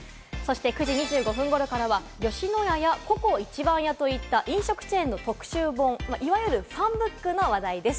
そして９時２５分頃からは、吉野家やＣｏＣｏ壱番屋といった飲食チェーンの特集本、いわゆるファンブックの話題です。